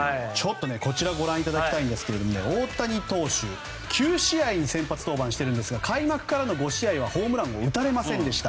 こちらをご覧いただきたいんですが大谷投手、９試合に先発登板しているんですが開幕からの５試合はホームランを打たれませんでした。